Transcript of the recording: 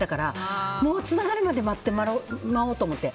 つながるまで待ってまおうと思って。